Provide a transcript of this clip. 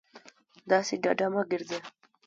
داسې ډاډه مه گرځه